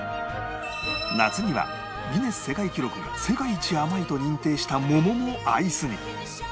夏にはギネス世界記録が世界一甘いと認定した桃もアイスに